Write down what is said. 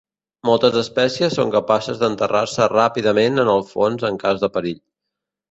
Moltes espècies són capaces d'enterrar-se ràpidament en el fons en cas de perill.